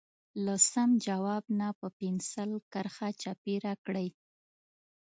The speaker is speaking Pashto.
له سم ځواب نه په پنسل کرښه چاپېره کړئ.